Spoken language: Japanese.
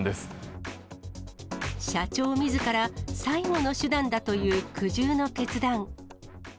社長みずから、最後の手段だという苦渋の決断。